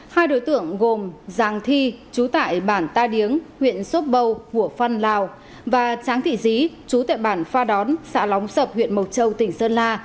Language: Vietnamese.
hai đối tượng gồm giàng thi chú tại bản ta điếng huyện sốt bâu hủa phăn lào và tráng thị dí chú tại bản pha đón xã lóng sập huyện mộc châu tỉnh sơn la